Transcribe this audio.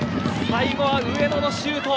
最後は上野のシュート。